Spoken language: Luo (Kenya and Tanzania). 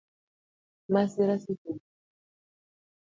Masira seche duto